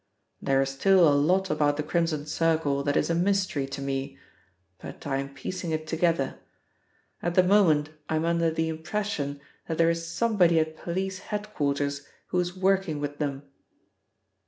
"There is still a lot about the Crimson Circle that is a mystery to me, but I am piecing it together. At the moment I am under the impression that there is somebody at police head quarters who is working with them."